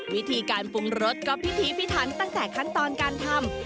วิธีการปรุงรสก็พิธีพิทันตั้งแต่ขั้นตอนการทำ